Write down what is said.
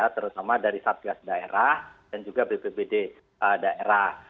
terutama dari satgas daerah dan juga bpbd daerah